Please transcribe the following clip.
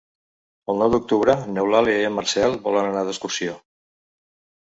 El nou d'octubre n'Eulàlia i en Marcel volen anar d'excursió.